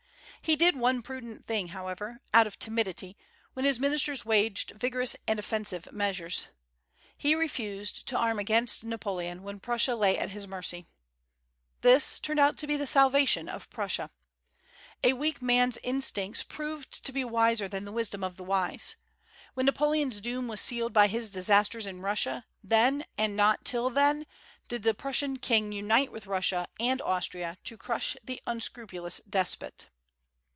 He did one prudent thing, however, out of timidity, when his ministers waged vigorous and offensive measures. He refused to arm against Napoleon when Prussia lay at his mercy. This turned out to be the salvation of Prussia, A weak man's instincts proved to be wiser than the wisdom of the wise. When Napoleon's doom was sealed by his disasters in Russia, then, and not till then, did the Prussian king unite with Russia and Austria to crush the unscrupulous despot.